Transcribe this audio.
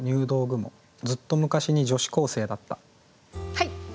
はい！